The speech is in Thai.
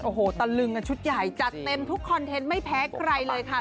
โอ้โหตะลึงกันชุดใหญ่จัดเต็มทุกคอนเทนต์ไม่แพ้ใครเลยค่ะ